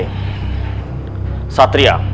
jika kau memang hebat